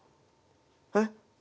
えっ？